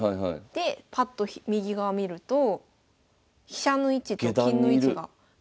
でパッと右側見ると飛車の位置と金の位置が。